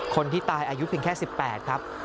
คนที่ตายอายุเพียงแค่๑๘ครับ